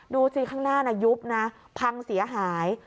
ดูสิข้างหน้ายุบนะพังเสียหาย